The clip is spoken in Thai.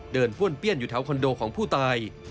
ป้วนเปี้ยนอยู่แถวคอนโดของผู้ตาย